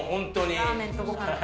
ラーメンとごはんって。